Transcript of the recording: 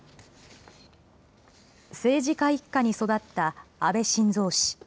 政治家一家に育った安倍晋三氏。